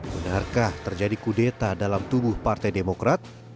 benarkah terjadi kudeta dalam tubuh partai demokrat